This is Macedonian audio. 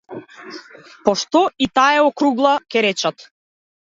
Па што, и таа е округла, ќе речат.